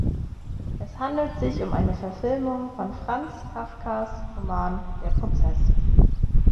Es handelt sich um eine Verfilmung von Franz Kafkas Roman "Der Process".